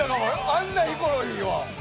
あんなヒコロヒーは。